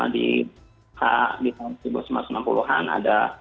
di tahun seribu sembilan ratus enam puluh an ada bruno salim atau apa